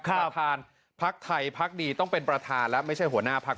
ประธานพักไทยพักดีต้องเป็นประธานและไม่ใช่หัวหน้าพัก